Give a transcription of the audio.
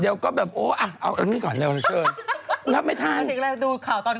ดูข่าวตอนกำมั้งแล้วรับไว้อย่างนี้หรอ